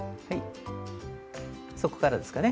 そこからですかね。